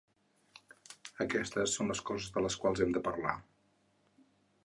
Aquestes són les coses de les quals hem de parlar.